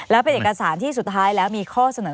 แล้วเป็นเอกสารที่สุดท้ายแล้วมีข้อเสนอ